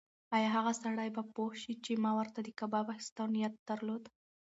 ایا هغه سړی به پوه شي چې ما ورته د کباب اخیستو نیت درلود؟